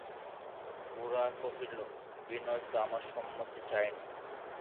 গোরা কহিল, বিনয় তো আমার সম্মতি চায় নি।